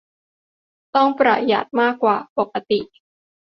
ต้องประหยัดมากกว่าปกติ